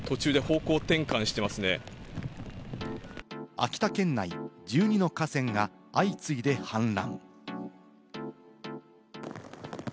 秋田県内、１２の河川が相次いで氾濫。